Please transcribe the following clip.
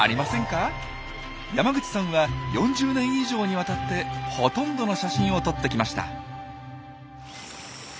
山口さんは４０年以上にわたってほとんどの写真を撮ってきました。